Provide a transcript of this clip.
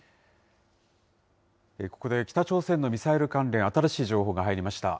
ここで北朝鮮のミサイル関連、新しい情報が入りました。